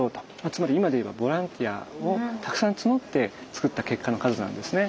つまり今でいえばボランティアをたくさん募ってつくった結果の数なんですね。